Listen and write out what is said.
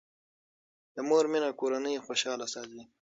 د مور مینه کورنۍ خوشاله ساتي.